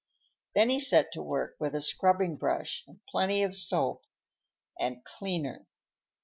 Then he set to work with a scrubbing brush and plenty of soap and "cleaner."